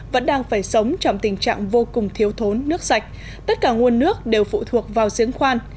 vẫn đang phải sống trong tình trạng vô cùng thiếu thốn nước sạch tất cả nguồn nước đều phụ thuộc vào diễn khoan